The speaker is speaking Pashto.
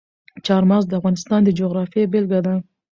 چار مغز د افغانستان د جغرافیې بېلګه ده.